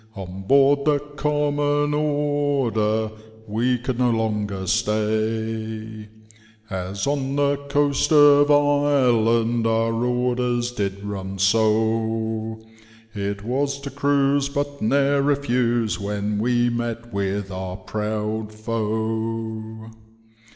On board the Common Order we could no longer stay, As on the coast of Ireland, our orders did run so, It was to cruise, but ne*er refuse, when we met with our proud foe.